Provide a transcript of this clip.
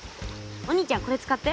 お兄ちゃんこれ使って！